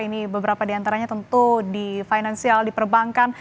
ini beberapa di antaranya tentu di finansial di perbankan